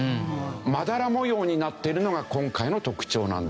まだら模様になっているのが今回の特徴なんですよね。